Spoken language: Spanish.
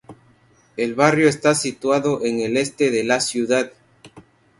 El barrio está situado en el este de la ciudad.